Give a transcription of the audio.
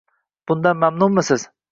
bundan mamnunmisiz?